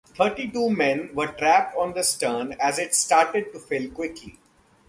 Thirty two men were trapped on the stern as it started to fill quickly.